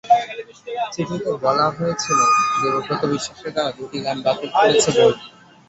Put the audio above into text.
চিঠিতে বলা হয়েছিল, দেবব্রত বিশ্বাসের গাওয়া দুটি গান বাতিল করেছে বোর্ড।